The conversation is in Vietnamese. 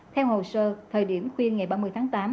theo hồ sơ thời điểm khuya ngày ba mươi tháng tám